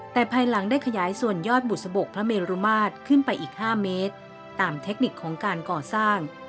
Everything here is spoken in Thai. แต่ภายหลังได้ขยายส่วนยอดบุษบกพระเมรุมาตรขึ้นไปอีก๕เมตรตามเทคนิคของการก่อสร้าง